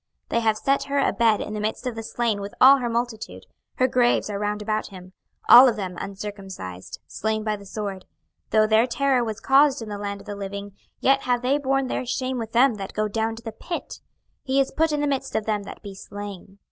26:032:025 They have set her a bed in the midst of the slain with all her multitude: her graves are round about him: all of them uncircumcised, slain by the sword: though their terror was caused in the land of the living, yet have they borne their shame with them that go down to the pit: he is put in the midst of them that be slain.